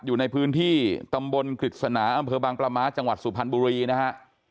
อยู่ในพื้นที่ตำบลกฤษณาอำเภอบางปลาม้าจังหวัดสุพรรณบุรีนะฮะ